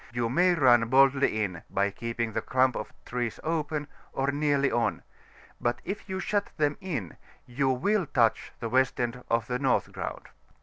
you may run boldly in, by keeping the clump of trees open, or nearly on; but if you shut them in, you will touch the west end of the North Ground.